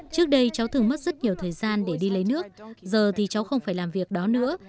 trước đây cháu thường mất rất nhiều thời gian để đi lấy nước giờ thì cháu không phải làm việc đó nữa